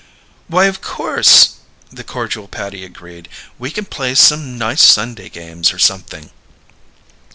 "Why, of course!" the cordial Patty agreed. "We can play some nice Sunday games, or something.